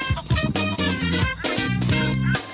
ข้าวใส่ไทยสอบกว่าใครใหม่กว่าเดิมค่อยเมื่อล่า